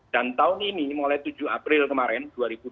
dan tahun ini mulai tujuh april kemarin dua ribu tujuh belas